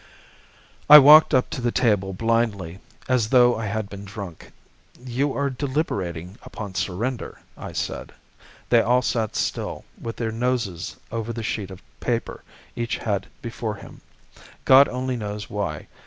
"I walked up to the table blindly, as though I had been drunk. 'You are deliberating upon surrender,' I said. They all sat still, with their noses over the sheet of paper each had before him, God only knows why.